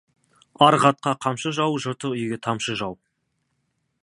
Арық атқа қамшы жау, жыртық үйге тамшы жау.